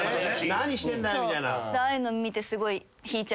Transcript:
「何してんだよ」みたいな。